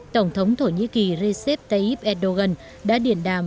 tổng thống thổ nhĩ kỳ recep tayyip erdogan đã điện đàm